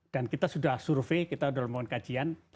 dan kita sudah survey kita sudah membuat kajian